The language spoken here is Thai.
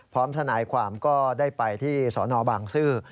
พร้อมสนายความก็ได้ไปที่สนบางซื้อ